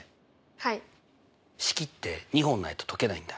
はい式って２本ないと解けないんだ。